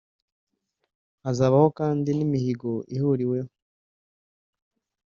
Hazabaho kandi n’imihigo ihuriweho